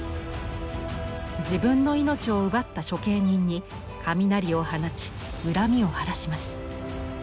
自分の命を奪った処刑人に雷を放ち恨みを晴らします。